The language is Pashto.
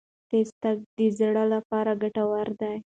تېز تګ د زړه لپاره ګټور دی.